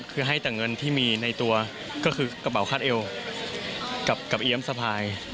คือให้แต่เงินที่มีในตัวก็คือกระเป๋าคาดเอวกับเอี๊ยมสะพาย